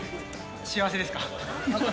幸せですか。